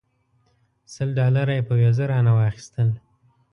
سل ډالره یې په ویزه رانه واخیستل.